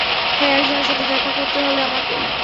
হ্যাঁ, একজনের সাথে দেখা করতে হবে আমাকে।